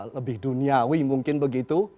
lebih duniawi mungkin begitu